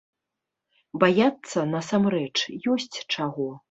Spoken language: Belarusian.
Баяцца, насамрэч, ёсць чаго.